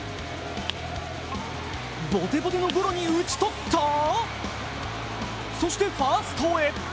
ぼてぼてのゴロに打ち取った、そしてファーストへ。